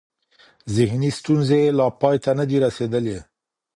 ذهني ستونزې یې لا پای ته نه دي رسېدلې.